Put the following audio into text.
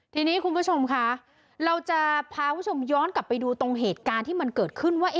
ทีนี้คุณผู้ชมค่ะเราจะพาคุณผู้ชมย้อนกลับไปดูตรงเหตุการณ์ที่มันเกิดขึ้นว่า